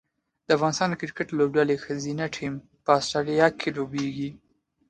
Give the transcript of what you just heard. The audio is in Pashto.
د افغانستان د کرکټ لوبډلې ښځینه ټیم په اسټرالیا کې لوبیږي